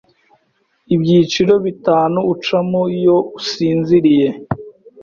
Ibyiciro bitanu ucamo iyo usinziriye